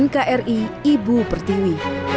nkri ibu pertiwi